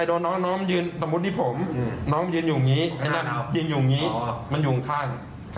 โอ้โหแล้วก็นัดต่อยกัน